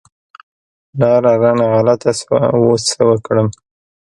لاره رانه غلطه شوه، اوس څه وکړم؟